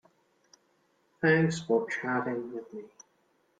Thanks for chatting with me.